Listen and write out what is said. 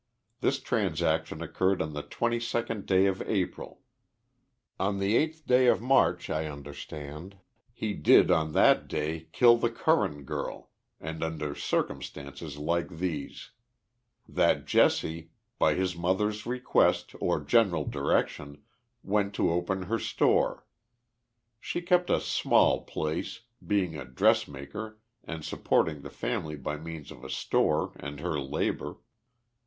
This transaction occurred on the 22d day of April. On the 8th day of March, I understand, he did on that day kill the Curran girl and under circumstances like these : That Jesse, by his mother's request or general direction, went to open her store. She kept a small place, being a dress maker and supporting the family by means of a store and her labor.